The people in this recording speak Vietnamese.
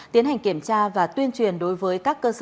tiến hành kiểm tra và tuyên truyền đối với các loại kẹo